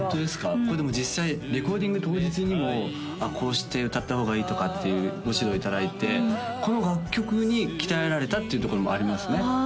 これでも実際レコーディング当日にもこうして歌った方がいいとかっていうご指導いただいてこの楽曲に鍛えられたっていうところもありますねああ